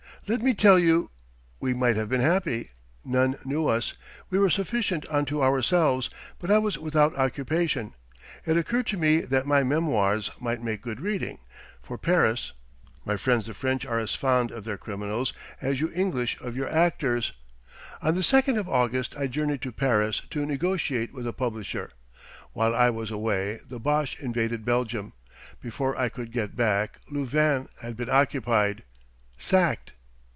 "Let me tell you.... "We might have been happy. None knew us. We were sufficient unto ourselves. But I was without occupation; it occurred to me that my memoirs might make good reading for Paris; my friends the French are as fond of their criminals as you English of your actors. On the second of August I journeyed to Paris to negotiate with a publisher. While I was away the Boche invaded Belgium. Before I could get back Louvain had been occupied, sacked...."